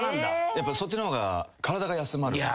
やっぱそっちの方が体が休まる。